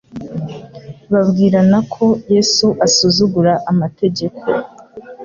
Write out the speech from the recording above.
babwirana ko Yesu asuzugura amategeko.